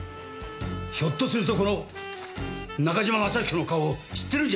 ひょっとするとこの中島雅彦の顔を知ってるんじゃないですかね？